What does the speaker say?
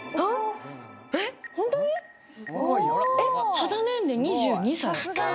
肌年齢２２歳？